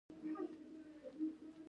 د دې وجې نه بلډ پرېشر کم شي